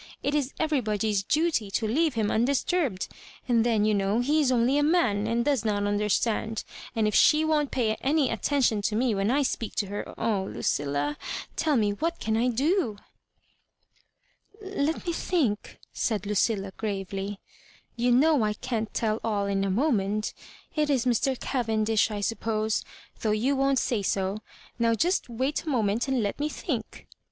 It is everybody's duty to leave liira undisturbed ; and then, you know, he is only a man, and does not understand ; and if she won't pay any attention to me when I speak to her, oh, Lucilla, tell me, what can I do ?"l4Bt me think," said Lucilla, gravely. You Digitized by VjOOQIC MISS VUlRJOBSBAKKA. 91 know I can't tell all in a moment It is Mr. Cavendish; I suppose, though you won't aay so. Now just wait a moment^ and let me think."